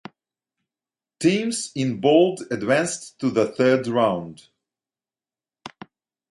Teams in bold advanced to the third round.